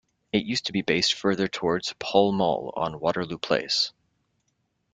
It used to be based further towards Pall Mall on Waterloo Place.